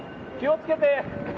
気をつけて。